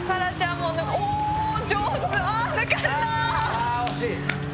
ああ惜しい。